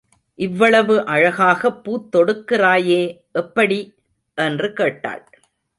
இவ்வளவு அழகாகப் பூத் தொடுக்கிறாயே எப்படி? என்று கேட்டாள்.